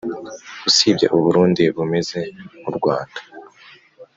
usibye u burundi bumeze nk'u rwanda.